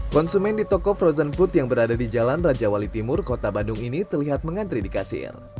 konsumen di toko frozen food yang berada di jalan raja wali timur kota bandung ini terlihat mengantri di kasir